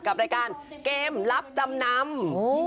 กับรายการเกมรับจำนำ